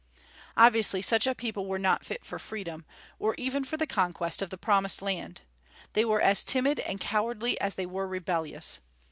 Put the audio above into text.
Obviously such a people were not fit for freedom, or even for the conquest of the promised land. They were as timid and cowardly as they were rebellious.